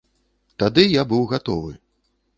Тады я быў гатовы.